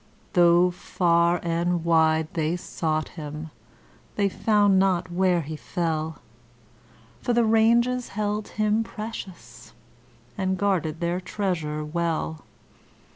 Though far and wide they sought him, they found not where he fell; For the ranges held him precious, and guarded their treasure well.